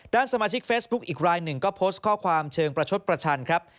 ด้านสมาชิกเฟซบุ๊คอีกรายหนึ่งก็โพสต์ข้อความเชิงประชดประชันครับ